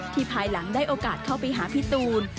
ภายหลังได้โอกาสเข้าไปหาพี่ตูน